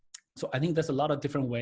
jadi saya pikir ada banyak cara yang berbeda